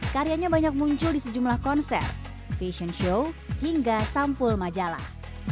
karyanya banyak muncul di sejumlah konser fashion show hingga sampul majalah